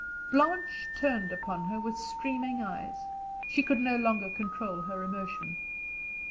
Blanche turned upon her with streaming eyes; she could no longer control her emotion.